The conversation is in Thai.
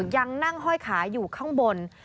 ยังนั่งห้อยขาอยู่ข้างบน